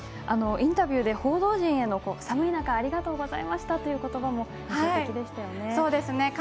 インタビューで報道陣への、寒い中ありがとうございましたという言葉も印象的でしたね。